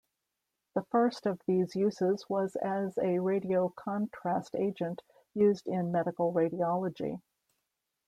The first of these uses was as a radiocontrast agent used in medical radiology.